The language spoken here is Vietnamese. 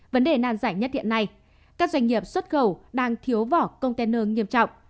vấn đề nan giải nhất hiện nay các doanh nghiệp xuất khẩu đang thiếu vỏ container nghiêm trọng